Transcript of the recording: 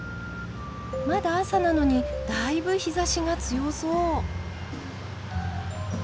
まだ朝なのにだいぶ日ざしが強そう。